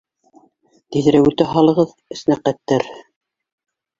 Тиҙерәк үтә һалығыҙ, аснәҡәттәр.